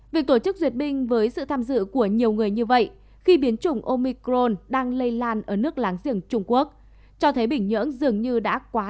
việc tổ chức duyệt binh với sự tham dự của nhiều người như vậy khi biến chủng omicron đang lây lan ở nước láng giềng trung quốc cho thấy bình nhưỡng dường như đã quá